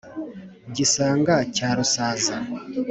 gisanga cya rusaza